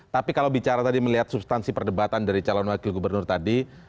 tapi kalau bicara tadi melihat substansi perdebatan dari calon wakil gubernur tadi